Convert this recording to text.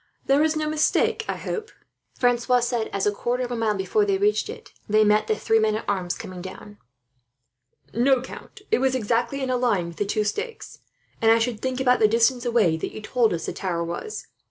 "There is no mistake, I hope," Francois said as, a quarter of a mile before they reached it, they met the three men at arms coming down. "No, count, it was exactly in a line with the two stakes and, I should think, about the distance away that you told us the tower was.